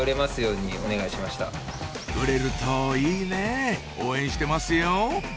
売れるといいね応援してますよ！